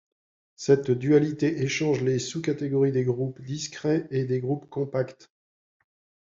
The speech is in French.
Cette dualité échange les sous-catégories des groupes discrets et des groupes compacts.